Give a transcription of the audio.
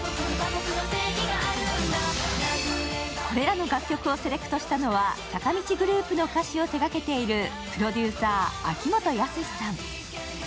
これらの楽曲をセレクトしたのは坂道グループの歌詞を手がけているプロデューサー、秋元康さん。